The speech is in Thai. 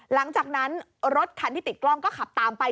หลังจากนั้นรถคันที่ติดกล้องก็ขับตามไป